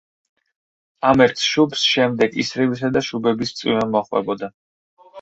ამ ერთ შუბს შემდეგ ისრებისა და შუბების წვიმა მოჰყვებოდა.